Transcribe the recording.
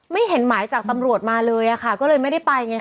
ไม่เห็นหมายจากตำรวจมาเลยค่ะก็เลยไม่ได้ไปไง